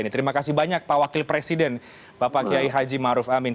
terima kasih banyak pak wakil presiden bapak kiai haji maruf amin